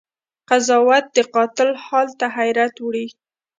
قضاوت د قاتل حال ته حيرت وړی